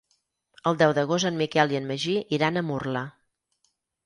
El deu d'agost en Miquel i en Magí iran a Murla.